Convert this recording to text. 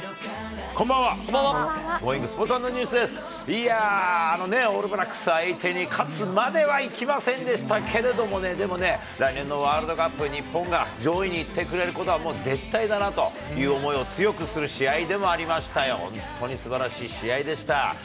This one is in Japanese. いやー、オールブラックス相手に勝つまではいきませんでしたけれどもね、でもね、来年のワールドカップ、日本が上位に行ってくれることはもう絶対だなという思いを強くする試合でもありましたよ、本当にすばらしい試合でした。